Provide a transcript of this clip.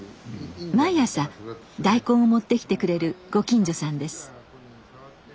毎朝大根を持ってきてくれるご近所さんです。